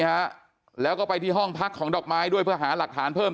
ฮะแล้วก็ไปที่ห้องพักของดอกไม้ด้วยเพื่อหาหลักฐานเพิ่ม